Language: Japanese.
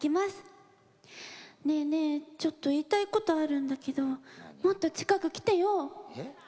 ねえねえ、ちょっと言いたいことあるんだけどもっと近く来てよ。